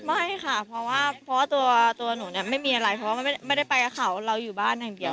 ไม่ค่ะเพราะว่าตัวหนูเนี่ยไม่มีอะไรเพราะว่าไม่ได้ไปกับเขาเราอยู่บ้านอย่างเดียว